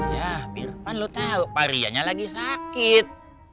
yah pir kan lo tahu pak rianya lagi sakit